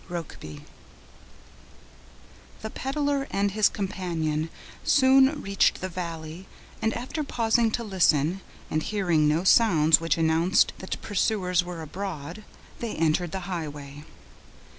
—Rokeby. The peddler and his companion soon reached the valley, and after pausing to listen, and hearing no sounds which announced that pursuers were abroad, they entered the highway.